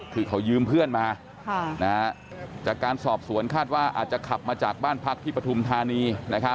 คือเขายืมเพื่อนมาจากการสอบสวนคาดว่าอาจจะขับมาจากบ้านพักที่ปฐุมธานี